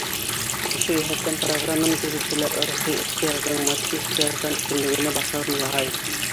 Ошо йәһәттән программаны төҙөүселәр рухи ихтыяждың матди ихтыяждан өҫтөнлөгөнә баҫым яһай.